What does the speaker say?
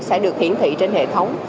sẽ được hiển thị trên hệ thống